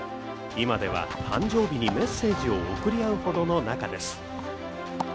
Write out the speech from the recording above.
今では誕生日にメッセージを送り合うほどの仲です。